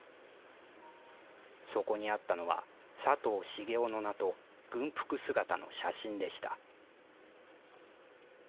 そこにあったのは、佐藤茂雄の名と、軍服姿の写真でした。